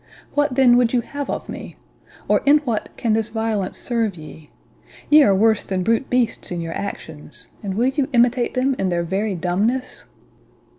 What, then, would you have of me? or in what can this violence serve ye?—Ye are worse than brute beasts in your actions, and will you imitate them in their very dumbness?"